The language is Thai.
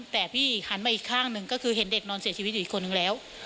แต่พี่หันมาอีกข้างหนึ่งก็คือเห็นเด็กนอนเสียชีวิตอยู่อีกคนนึงแล้ว